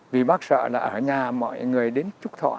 vì bác sợ là ở nhà mọi người đến trúc thọ